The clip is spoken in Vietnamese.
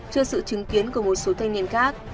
trước sự chứng kiến của một số thanh niên khác